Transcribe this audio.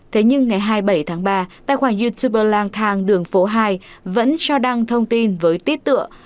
thế nhưng ngày hai mươi bảy tháng ba tài khoản youtuber lang thang đường phố hai vẫn cho đăng thông tin với tit tựa